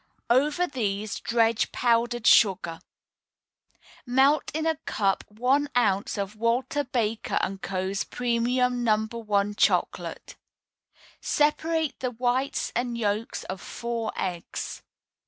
Over these dredge powdered sugar. Melt in a cup one ounce of Walter Baker & Co.'s Premium No. 1 Chocolate. Separate the whites and yolks of four eggs.